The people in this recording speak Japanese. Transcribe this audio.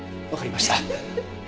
わかりました。